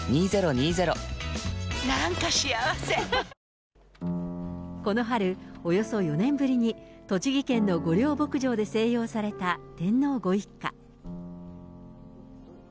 また、この春、この春、およそ４年ぶりに栃木県の御料牧場で静養された天皇ご一家。